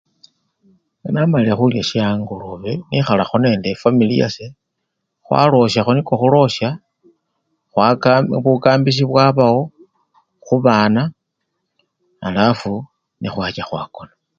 Nga namalile khulya sye-angolobe, nekhalakho nende fwamili yase khwalosyakho niko khulosya khwakambi! bukambisyi bwabawo khubana alafu nekhwacha khwakona.